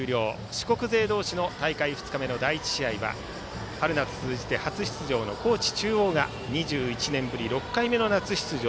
四国勢同士の大会２日目の第１試合は春夏通じて初出場の高知中央が２１年ぶり６回目の出場